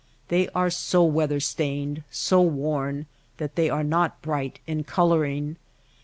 They are so weather stained, so worn, that they are not bright in coloring.